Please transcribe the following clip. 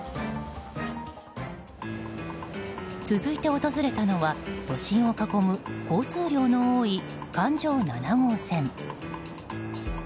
続いて訪れたのは、都心を囲む交通量の多い環状７号線。